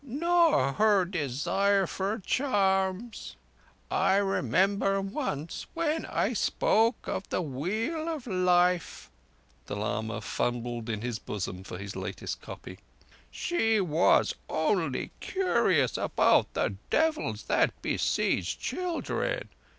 "Nor her desire for charms. I remember once when I spoke of the Wheel of Life"—the lama fumbled in his bosom for his latest copy—"she was only curious about the devils that besiege children.